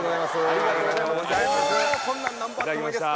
ありがとうございます。